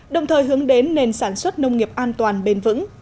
đồng thời hướng đến nền sản xuất nông nghiệp an toàn bền vững